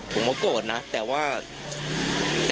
ผมก็โกรธนะแต่ว่า